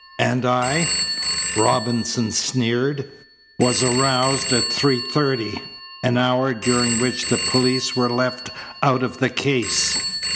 "And I," Robinson sneered, "was aroused at three thirty. An hour during which the police were left out of the case!"